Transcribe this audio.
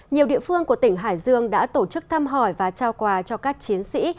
nhiều địa phương của tỉnh hải dương đã tổ chức thăm hỏi và trao quà cho các chiến sĩ